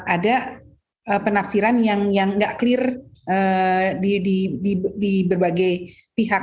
ada penafsiran yang nggak clear di berbagai pihak